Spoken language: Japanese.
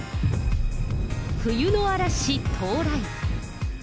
冬の嵐到来。